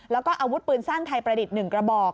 แล้วก็อาวุธปืนสั้นไทยประดิษฐ์๑กระบอก